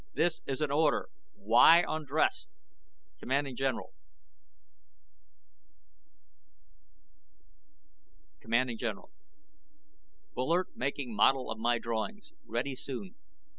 THIS AN ORDER! WHY UNDRESSED? CMD GENERAL CMD GENERAL BULLARD MAKING MODEL OF MY DRAWINGS. READY SOON.